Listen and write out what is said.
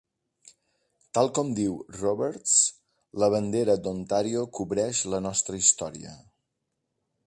Tal com diu Robarts, la bandera d'Ontario "cobreix la nostra història.